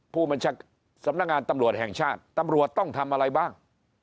ผู้บัญชาการสำนักงานตำรวจแห่งชาติตำรวจต้องทำอะไรบ้าง